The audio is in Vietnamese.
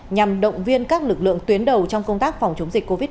nhằm động viên các lực lượng tuyến đầu trong công tác phòng chống dịch covid một mươi chín